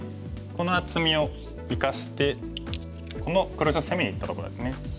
この厚みを生かしてこの黒石を攻めにいったところですね。